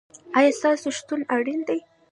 ایا ستاسو شتون اړین دی؟